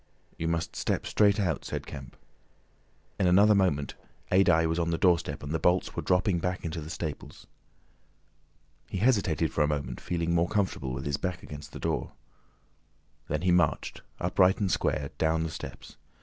"You must step straight out," said Kemp. In another moment Adye was on the doorstep and the bolts were dropping back into the staples. He hesitated for a moment, feeling more comfortable with his back against the door. Then he marched, upright and square, down the steps.